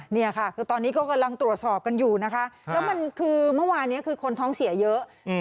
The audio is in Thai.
นี่ค่ะคือตอนนี้ก็กำลังตรวจสอบกันอยู่นะคะแล้วมันคือเมื่อวานนี้คือคนท้องเสียเยอะ